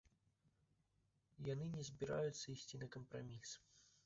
Яны не збіраюцца ісці на кампраміс.